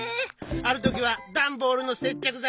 あるときはダンボールのせっちゃくざい。